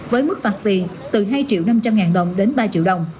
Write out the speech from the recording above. với mức phạt tiền từ hai triệu năm trăm linh ngàn đồng đến ba triệu đồng